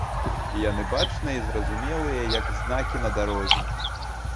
Яны бачныя і зразумелыя, як знакі на дарозе.